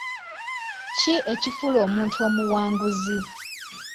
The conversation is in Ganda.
Ki ekifuula omuntu omuwanguzi?